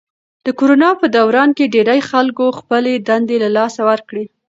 د کرونا په دوران کې ډېری خلکو خپلې دندې له لاسه ورکړې.